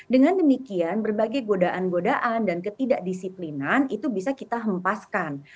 dengan demikian berbagai godaan godaan dan ketidakdisiplinan itu bisa kita hempaskan